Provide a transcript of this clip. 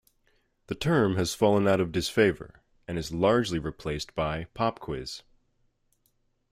The term has fallen out of disfavor and is largely replaced by "pop quiz".